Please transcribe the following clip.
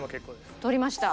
取りました。